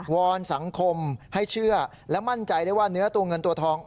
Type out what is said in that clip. อนสังคมให้เชื่อและมั่นใจได้ว่าเนื้อตัวเงินตัวทอง